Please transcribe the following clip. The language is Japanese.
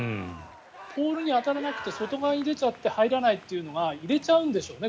ポールに当たらなくて外側に出ちゃって入らないっていうのが入れちゃうんでしょうね。